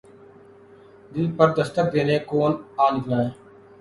دل پر دستک دینے کون آ نکلا ہے